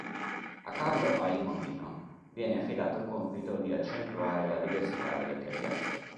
A Carlo Aymonino viene affidato il compito di accentuare la diversità delle tre piazze.